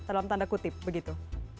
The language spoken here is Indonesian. dalam tanda kutip begitu